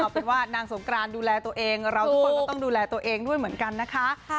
เอาเป็นว่านางสงกรานดูแลตัวเองเราทุกคนก็ต้องดูแลตัวเองด้วยเหมือนกันนะคะ